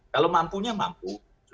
kalau mampunya mampu